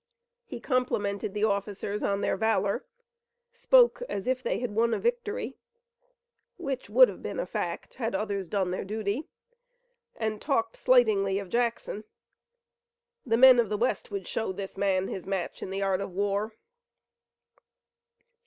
He complimented the officers on their valor, spoke as if they had won a victory which would have been a fact had others done their duty and talked slightingly of Jackson. The men of the west would show this man his match in the art of war.